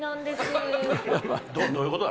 どういうことだ？